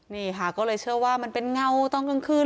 นี่ค่ะก็เลยเชื่อว่ามันเป็นเงาตอนกลางคืน